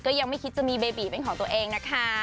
ก็ยังไม่คิดจะมีเบบีเป็นของตัวเองนะคะ